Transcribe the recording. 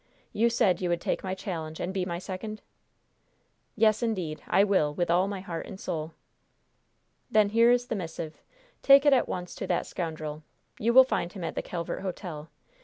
You said you would take my challenge and be my second?" "Yes, indeed, I will, with all my heart and soul!" "Then here is the missive. Take it at once to that scoundrel. You will find him at the Calvert Hotel.